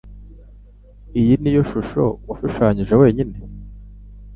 Iyi niyo shusho washushanyije wenyine?